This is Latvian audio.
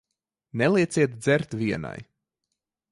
Nelieciet dzert vienai.